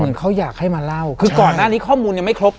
เขาอยากให้มาเล่าคือก่อนหน้านี้ข้อมูลยังไม่ครบ